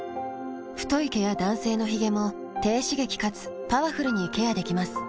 太い毛や男性のヒゲも低刺激かつパワフルにケアできます。